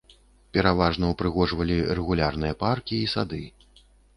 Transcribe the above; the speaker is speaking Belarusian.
Пераважна ўпрыгожвалі рэгулярныя паркі і сады.